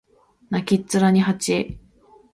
泣きっ面に蜂